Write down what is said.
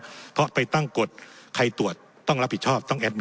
ที่แล้วเพราะไปตั้งกฎใครตรวจต้องรับผิดชอบต้อง